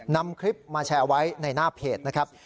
นำคลิปมาแชร์ไว้ในหน้าเพจนะครับ